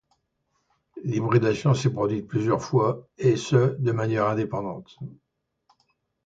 L'hybridation s'est produite plusieurs fois et ce, de manière indépendante.